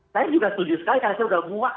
saya juga setuju sekali karena saya sudah muak